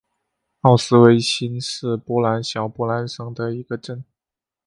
奥斯威辛是波兰小波兰省的一个镇。